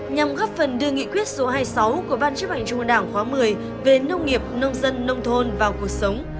nhằm góp phần đưa nghị quyết số hai mươi sáu của ban chấp hành trung ương đảng khóa một mươi về nông nghiệp nông dân nông thôn vào cuộc sống